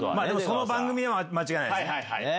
その番組で間違いないですね？